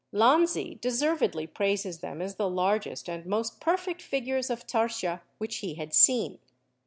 Lanzi deservedly praises them as the largest and most perfect figures of tarsia which he had seen.